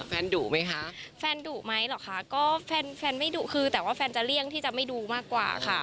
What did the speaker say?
ดุไหมคะแฟนดุไหมเหรอคะก็แฟนแฟนไม่ดุคือแต่ว่าแฟนจะเลี่ยงที่จะไม่ดูมากกว่าค่ะ